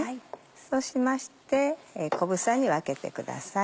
そうしまして小房に分けてください。